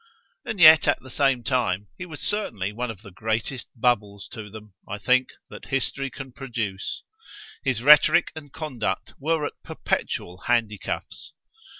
——And yet at the same time, he was certainly one of the greatest bubbles to them, I think, that history can produce: his rhetorick and conduct were at perpetual handy cuffs.